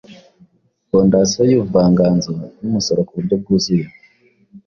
Fondasiyo yubuvanganzo numusoro ku buryo bwuzuye